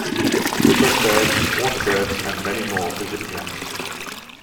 Woodland birds, water birds and many more visit here.